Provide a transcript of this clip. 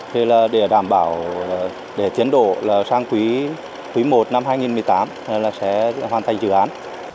thế là để đảm bảo tiến độ sang quý i năm hai nghìn một mươi tám sẽ hoàn thành dự án